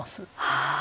はい。